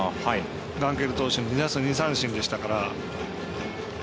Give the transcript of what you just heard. ガンケル投手に２打数２三振でしたから。